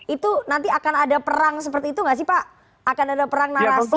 itu nanti akan ada perang seperti itu nggak sih pak akan ada perang narasi